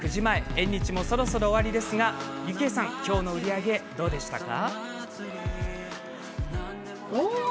縁日もそろそろ終わりですが幸枝さん、今日の売り上げはどうでしたか？